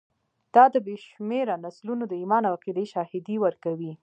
دا د بې شمېره نسلونو د ایمان او عقیدې شاهدي ورکوي.